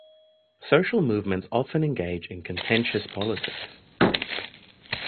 Social movements often engage in contentious politics.